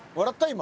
今。